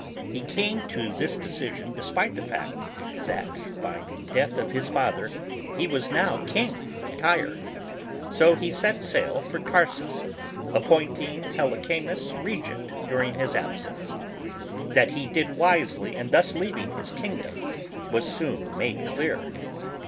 He came to this de cision despite the fact that, by the death of his father, he was now King of Tyre. So he set sail for Tarsus, appointing Helicanus Re gent during his absence. That he did wisely in thus leaving his king dom Was soon made clear.